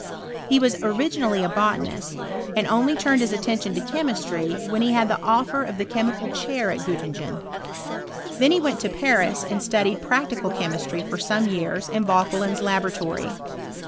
He was originally a botanist, and only turned his attention to chemistry when he had the offer of the chemical chair at Gioti. tingeii. He then went to Paris, and studied prac^ cal chemistry for some years in Vauquelin's labora tory.